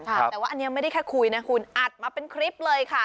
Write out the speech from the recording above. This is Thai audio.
แต่ว่าอันนี้ไม่ได้แค่คุยนะคุณอัดมาเป็นคลิปเลยค่ะ